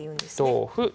同歩。